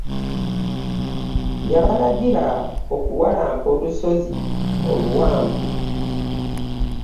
Yabalagira okuwalampa olusozi oluwanvu.